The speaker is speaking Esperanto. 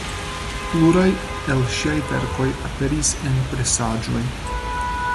Pluraj el ŝiaj verkoj aperis en presaĵoj.